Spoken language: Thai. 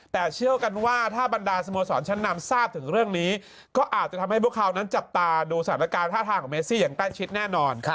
แต่เชื่อกันว่าถ้าบรรดาสโมสรชั้นนำทราบถึงเรื่องนี้ก็อาจจะทำให้พวกเขานั้นจับตาดูสถานการณ์ท่าทางของเมซี่อย่างใกล้ชิดแน่นอน